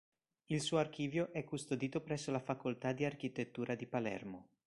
Il suo archivio è custodito presso la Facoltà di Architettura di Palermo.